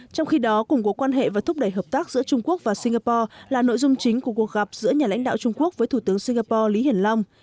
trong khi đó củng cố quan hệ và thúc đẩy hợp tác giữa trung quốc và singapore là nội dung chính của cuộc gặp giữa nhà lãnh đạo trung quốc với thủ tướng singapore lý hiển long